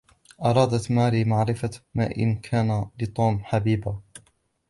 أرادت ماري معرفة ما إن كان لِتوم حبيبة.